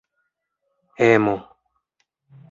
emo